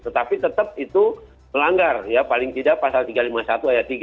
tetapi tetap itu melanggar ya paling tidak pasal tiga ratus lima puluh satu ayat tiga